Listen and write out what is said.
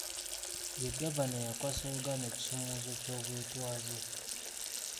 Ye Gavana eyakwasa Uganda ekisumuluzo ky'obwetwaze.